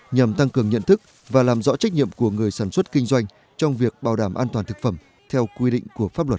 nhằm tăng cường nhận thức và làm rõ trách nhiệm của người sản xuất kinh doanh trong việc bảo đảm an toàn thực phẩm theo quy định của pháp luật